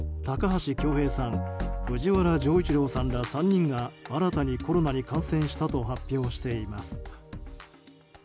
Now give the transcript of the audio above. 高橋恭平さん、藤原丈一郎さんら３人が新たにコロナに感染したと発表しています。